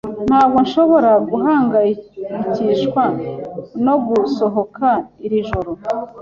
Ntabwo nshobora guhangayikishwa no gusohoka iri joro.